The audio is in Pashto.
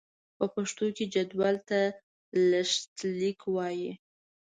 په پښتو کې جدول ته لښتليک وايي.